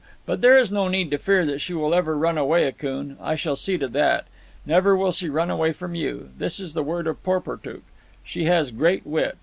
But there is no need to fear that she will ever run away, Akoon. I shall see to that. Never will she run away from you—this is the word of Porportuk. She has great wit.